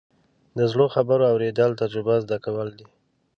د زړو خبرو اورېدل، تجربه زده کول دي.